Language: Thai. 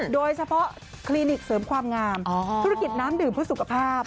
โดยเฉพาะคลินิกเสริมความงามธุรกิจน้ำดื่มเพื่อสุขภาพ